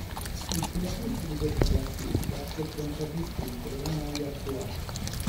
Il primatista di questa classifica è contraddistinto dalla maglia a pois.